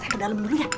ke dalam dulu ya